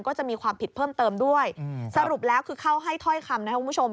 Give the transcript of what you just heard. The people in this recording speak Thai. ก็จะมีความผิดเพิ่มเติมด้วยสรุปแล้วคือเขาให้ถ้อยคำนะครับคุณผู้ชม